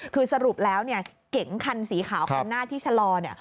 คือสรุปแล้วเนี่ยเก๋งคันสีขาวคันหน้าที่ชะลอเนี่ย